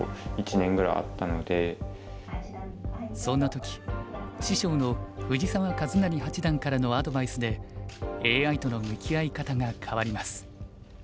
そんな時師匠の藤澤一就八段からのアドバイスでＡＩとの向き合い方が変わります。